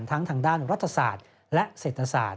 ทางด้านรัฐศาสตร์และเศรษฐศาสตร์